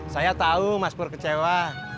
saya tahu mas pur kecewa